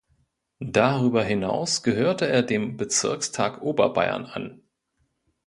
Darüber hinaus gehörte er dem Bezirkstag Oberbayern an.